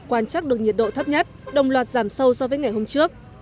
quan trắc được nhiệt độ thấp nhất đồng loạt giảm sâu so với ngày hôm trước